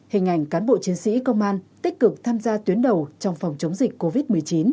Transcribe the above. hình ảnh cán bộ chiến sĩ công an tích cực tham gia tuyến đầu trong phòng chống dịch covid một mươi chín